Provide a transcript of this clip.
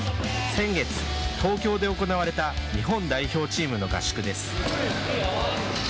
先月、東京で行われた日本代表チームの合宿です。